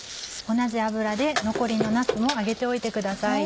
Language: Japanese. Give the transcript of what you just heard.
同じ油で残りのなすも揚げておいてください。